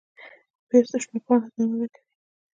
پیاز د شنو پاڼو نه وده کوي